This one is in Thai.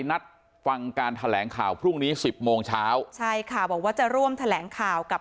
นัดฟังการแถลงข่าวพรุ่งนี้สิบโมงเช้าใช่ค่ะบอกว่าจะร่วมแถลงข่าวกับ